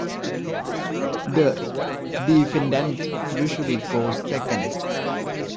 The defendant usually goes second.